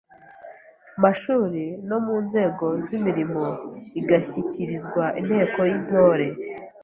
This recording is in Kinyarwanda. mashuri no mu nzego z’imirimo igashyikirizwa Inteko y’Intore